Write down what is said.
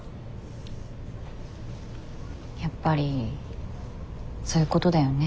やっぱりそういうことだよね。